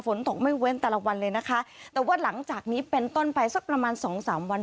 ฝนตกไม่เว้นแต่ละวันเลยนะคะแต่ว่าหลังจากนี้เป็นต้นไปสักประมาณสองสามวัน